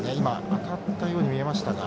当たったように見えましたが。